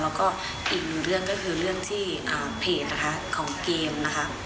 แล้วก็อีกหนึ่งเรื่องก็คือเรื่องที่เพจนะคะของเกมนะคะ